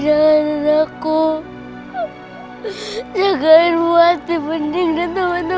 maafin aku juga kalau aku punya salah sama kamu